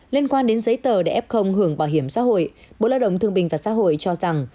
liên quan đến giấy tờ để f hưởng bảo hiểm xã hội bộ lao động thương bình và xã hội cho rằng